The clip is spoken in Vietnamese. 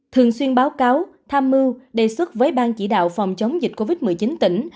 thường xuyên báo cáo tham mưu đề xuất với ban chỉ đạo phòng chống dịch covid một mươi chín tỉnh